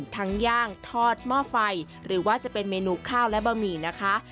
ย่างทอดหม้อไฟหรือว่าจะเป็นเมนูข้าวและบะหมี่นะคะ